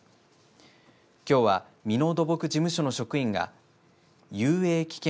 きょうは美濃土木事務所の職員が遊泳危険！